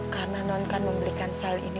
karena non kan membelikan sal ini